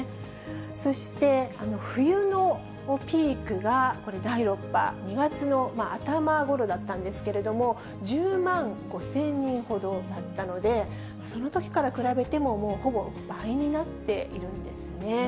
そして、冬のピークがこれ第６波、２月の頭ごろだったんですけれども、１０万５０００人ほどだったので、そのときから比べても、もうほぼ倍になっているんですね。